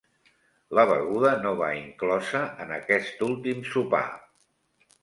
La beguda no va inclosa en aquest últim sopar.